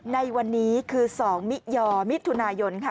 ในวันนี้คือ๒มิยอมิถุนายนค่ะ